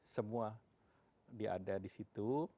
semua diada di situ